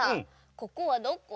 ここはどこ？